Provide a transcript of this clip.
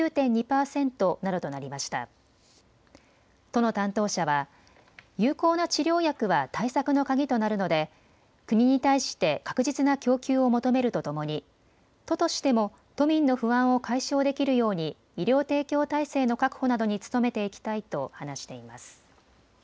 都の担当者は、有効な治療薬は対策の鍵となるので国に対して確実な供給を求めるとともに都としても都民の不安を解消できるように医療提供体制の確保などに努めていきたいと話しています。